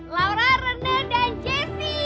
laura rena dan jessy